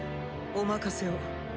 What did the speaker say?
お任せを。